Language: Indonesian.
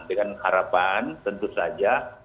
dengan harapan tentu saja